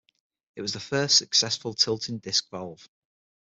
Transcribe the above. It was the first successful tilting-disc valve.